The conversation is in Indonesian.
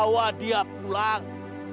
bawa dia pulang